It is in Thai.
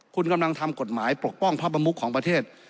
คุณกำลังทำกฎหมายปกป้องพระประมุขของประเทศ